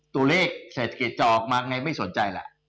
ตัวเลขเสร็จเกล็ดจะออกมาแบบไงไม่สนใจ